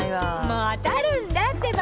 もう当たるんだってば。